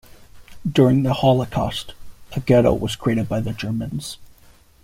During the Holocaust, a ghetto was created by the Germans.